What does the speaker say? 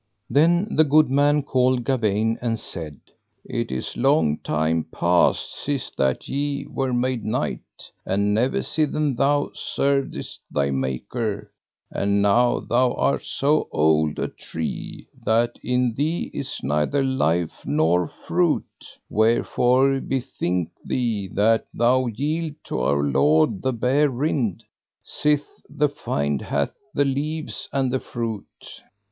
Then the good man called Gawaine, and said: It is long time passed sith that ye were made knight, and never sithen thou servedst thy Maker, and now thou art so old a tree that in thee is neither life nor fruit; wherefore bethink thee that thou yield to Our Lord the bare rind, sith the fiend hath the leaves and the fruit.